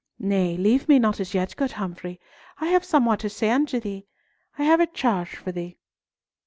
Nay, leave me not as yet, good Humfrey. I have somewhat to say unto thee. I have a charge for thee."